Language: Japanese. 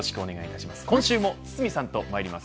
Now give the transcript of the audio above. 今週も堤さんとまいります。